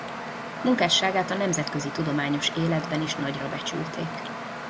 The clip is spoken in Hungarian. Munkásságát a nemzetközi tudományos életben is nagyra becsülték.